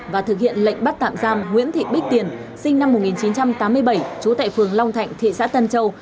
và thực hiện lệnh bắt tạm giam nguyễn thị bích tiền sinh năm một nghìn chín trăm tám mươi bảy trú tại phường long thạnh thị xã tân châu